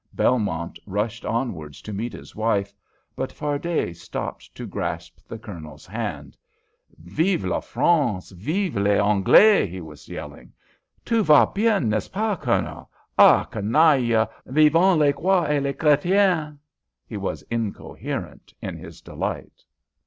Belmont rushed onwards to meet his wife, but Fardet stopped to grasp the Colonel's hand. "Vive la France! Vivent les Anglais!" he was yelling. "Tout va bien, n'est ce pas, Colonel? Ah, canaille! Vivent les croix et les Chrétiens!" He was incoherent in his delight.